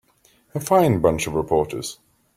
A fine bunch of reporters.